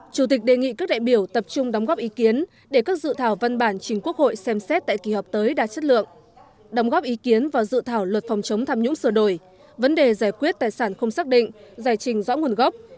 chủ tịch đề nghị các đại biểu tập trung đóng góp ý kiến để các dự thảo văn bản chính quốc hội xem xét tại kỳ họp tới đạt chất lượng đóng góp ý kiến vào dự thảo luật phòng chống tham nhũng sửa đổi vấn đề giải quyết tài sản không xác định giải trình rõ nguồn gốc